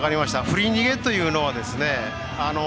振り逃げというのはですね